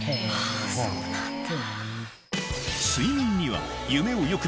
そうなんだ！